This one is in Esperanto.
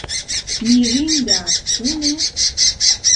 Mirinda ĉu ne?